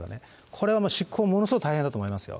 これはもう執行、ものすごい大変だと思いますよ。